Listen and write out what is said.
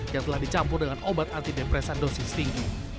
yang telah dicampur dengan obat antidepresan dosis tinggi